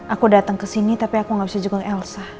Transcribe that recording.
aku datang ke sini tapi aku gak bisa juga elsa